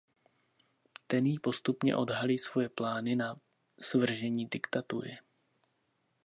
Ten jí postupně odhalí svoje plány na svržení diktatury.